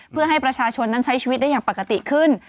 เพื่อให้ประชาชนนั้นใช้ชีวิตได้อย่างปกติขึ้น